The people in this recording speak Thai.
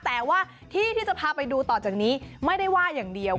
แต่ว่าที่ที่จะพาไปดูต่อจากนี้ไม่ได้ว่าอย่างเดียว